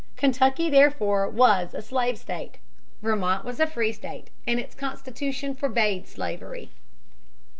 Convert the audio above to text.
Kentucky, therefore, was a slave state. Vermont was a free state, and its constitution forbade slavery.